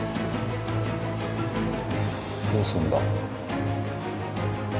どうするんだ？